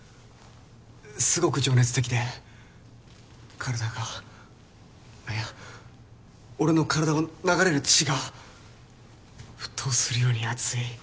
すごく情熱的で体がいや俺の体を流れる血が沸騰するように熱い。